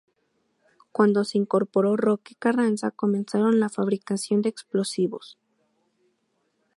Cuando se incorporó Roque Carranza, comenzaron la fabricación de explosivos.